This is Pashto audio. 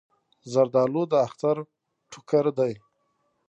زردالو د اختر ټوکر دی.